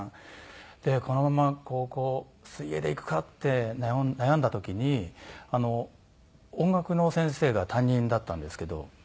でこのまま高校水泳でいくかって悩んだ時に音楽の先生が担任だったんですけど。